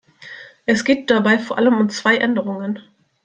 Es geht dabei vor allem um zwei Änderungen.